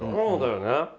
そうだよね。